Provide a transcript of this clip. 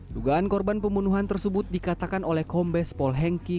dugaan korban pembunuhan tersebut dikatakan oleh kombes paul hencky